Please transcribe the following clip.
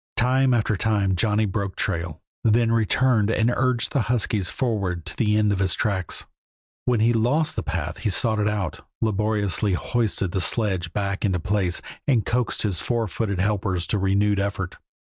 Time after time Johnny broke trail, then returned and urged the huskies forward to the end of his tracks. When he lost the path he sought it out, laboriously hoisted the sledge back into place, and coaxed his four footed helpers to renewed effort.